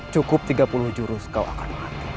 cukup tiga puluh jurus kau akan menanti